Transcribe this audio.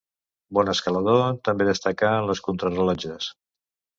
Bon escalador, també destacà en les contrarellotges.